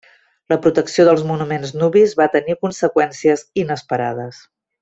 La protecció dels monuments nubis va tenir conseqüències inesperades.